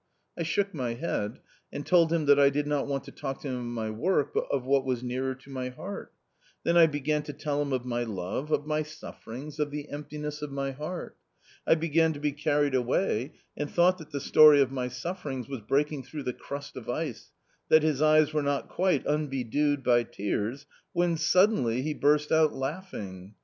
I shook my head, and told him that I did not want to talk to him of my work but of what was nearer to my heart. Then I began to tell him of my love, of my sufferings, of the emptiness of my heart. I began to be carried away and thought that the story of my sufferings was breaking through the crust of ice, that his eyes were not quite unbedewed by tears, when suddenly he burst out laughing